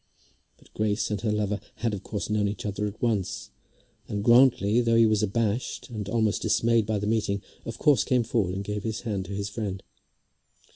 But Grace and her lover had of course known each other at once, and Grantly, though he was abashed and almost dismayed by the meeting, of course came forward and gave his hand to his friend.